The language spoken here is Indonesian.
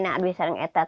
ada yang bisa ngetah